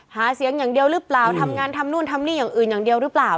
หาเสียงอย่างเดียวหรือเปล่าทำงานทำนู่นทำนี่อย่างอื่นอย่างเดียวหรือเปล่า